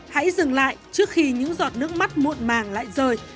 hãy dừng lại trước khi những giọt nước mắt muộn màng lại rời